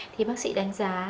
thì bác sĩ đánh giá